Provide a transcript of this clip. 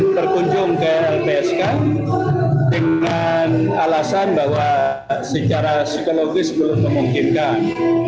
berkunjung ke lpsk dengan alasan bahwa secara psikologis belum memungkinkan